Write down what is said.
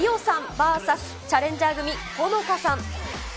ＶＳチャレンジャー組、ホノカさん。